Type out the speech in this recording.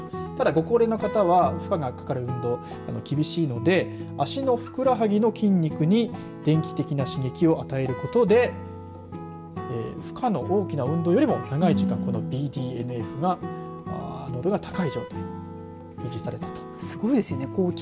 ご高齢の方は負荷がかかる運動、厳しいので脚のふくらはぎの筋肉に電気的な刺激を与えることで負荷の大きな運動よりも長い時間このＢＤＮＦが濃度が高い状態に維持されるということ。